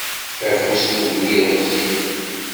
Afus n ugellid ɣezzif.